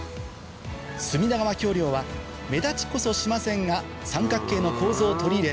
隅田川橋梁は目立ちこそしませんが三角形の構造を取り入れ